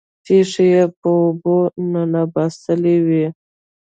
پښې یې په اوبو کې ننباسلې وې